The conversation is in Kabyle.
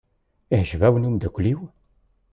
Iɛjeb-awen umeddakel-iw?